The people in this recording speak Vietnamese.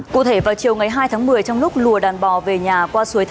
cụ thể vào chiều ngày hai tháng một mươi trong lúc lùa đàn bò về nhà qua suối